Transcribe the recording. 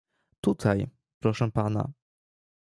"„Tutaj, proszą pana."